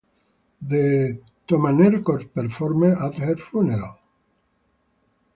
The Thomanerchor performed at her funeral.